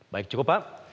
baik cukup pak